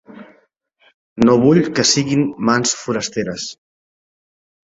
No vull que siguin mans forasteres